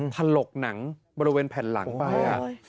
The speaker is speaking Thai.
ถลกหนังบริเวณแผ่นหลังไป